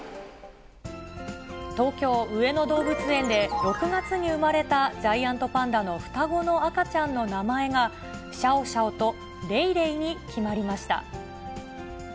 東京・上野動物園で、６月に産まれたジャイアントパンダの双子の赤ちゃんの名前が、シャオシャオとレイレイに決まりました。